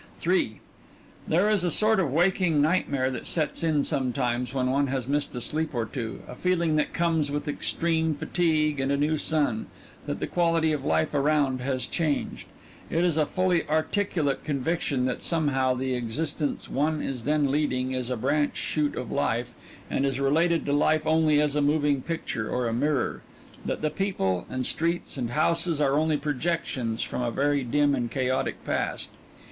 III There is a sort of waking nightmare that sets in sometimes when one has missed a sleep or two, a feeling that comes with extreme fatigue and a new sun, that the quality of the life around has changed. It is a fully articulate conviction that somehow the existence one is then leading is a branch shoot of life and is related to life only as a moving picture or a mirror that the people, and streets, and houses are only projections from a very dim and chaotic past.